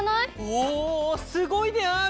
おすごいである！